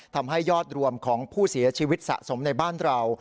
ทำให้ยอดรวมของผู้เสียชีวิตสะสมในบ้านเรา